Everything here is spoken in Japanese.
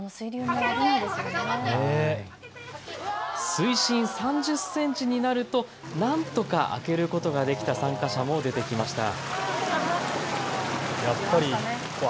水深３０センチになるとなんとか開けることができた参加者も出てきました。